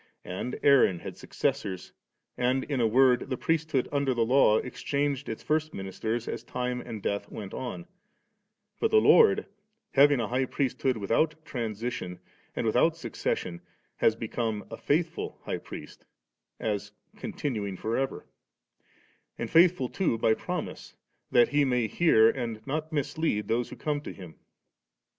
And Aaron had suc cessors^ and in a word the priesthood under the Law exchanged its first ministers as time and death went on; but the Lord having a high priesthood without transition and with oat succession, has become a '&ithful High Priest,' as continuing for ever; and fisuthfiLl too by promise, that He may hear^ and not mislead those who come to Him.